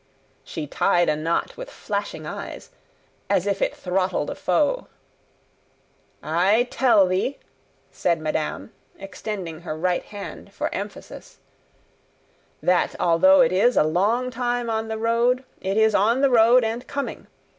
She tied a knot with flashing eyes, as if it throttled a foe. "I tell thee," said madame, extending her right hand, for emphasis, "that although it is a long time on the road, it is on the road and coming.